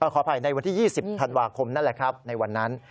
ขออภัยในวันที่๒๐ธันวาคมนั่นแหละครับในวันนั้น